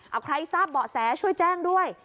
เอาใครทราบเบาะแสช่วยแจ้งด้วย